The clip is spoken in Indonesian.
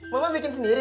mama bikin sendiri